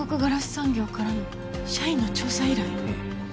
産業からの社員の調査依頼？